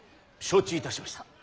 承知いたしました。